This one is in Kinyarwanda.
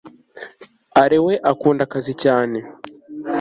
Alain we akunda akazi cyane